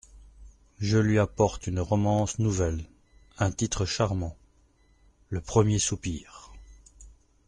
Je lui apporte une romance nouvelle… un titre charmant : le Premier Soupir.